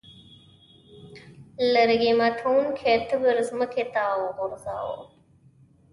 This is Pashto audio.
لرګي ماتوونکي تبر ځمکې ته وغورځاوه.